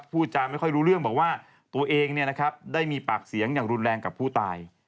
พูดจาไม่ค่อยรู้เรื่องบอกว่าตัวเองได้มีปากเสียงอย่างรุนแรงกับผู้ตาย